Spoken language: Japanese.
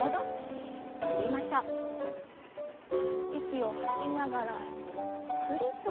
息を吐きながらゆっくりと。